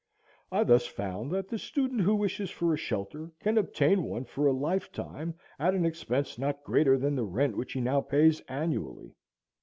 I thus found that the student who wishes for a shelter can obtain one for a lifetime at an expense not greater than the rent which he now pays annually.